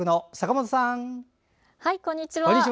こんにちは。